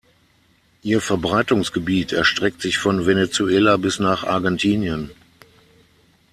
Ihr Verbreitungsgebiet erstreckt sich von Venezuela bis nach Argentinien.